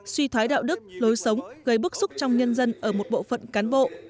suy thoái đạo đức lối sống gây bức xúc trong nhân dân ở một bộ phận cán bộ